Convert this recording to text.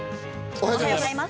おはようございます。